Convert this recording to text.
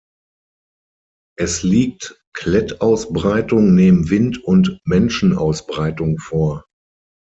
Es liegt Klettausbreitung neben Wind- und Menschenausbreitung vor.